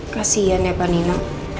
kasian ya panino